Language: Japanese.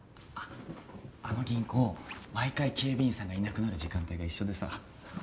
あの銀行毎回警備員さんがいなくなる時間帯が一緒でさ。